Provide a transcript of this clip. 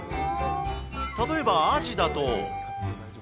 例えばアジだと。